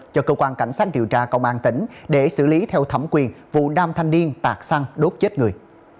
cho cơ quan cảnh sát điều tra công an tỉnh để xử lý theo thẩm quyền vụ nam thanh niên tạc xăng đốt chết người